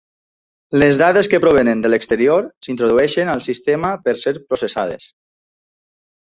Les dades que provenen de l'exterior s'introdueixen al sistema per ser processades.